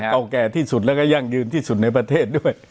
เก่าแก่ที่สุดแล้วก็ยั่งยืนที่สุดในประเทศด้วย